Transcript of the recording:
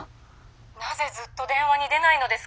なぜずっと電話に出ないのですか？